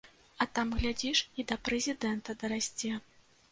А там, глядзіш, і да прэзідэнта дарасце.